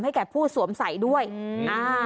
แก่ผู้สวมใส่ด้วยอืมอ่า